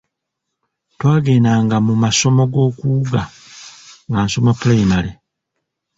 Twagendanga mu masomo g'okuwuga nga nsoma pulayimale.